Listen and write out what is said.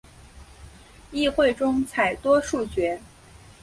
议会中采多数决。